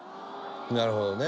なるほどね。